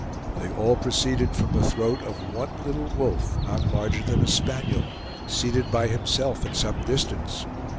They all proceeded from the throat of one little wolf, not larger than a spaniel, seated by himself at some distance.